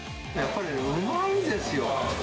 やっぱりうまいんですよ。